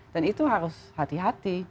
dan itu harus hati hati